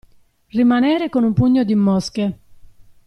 Rimanere con un pugno di mosche.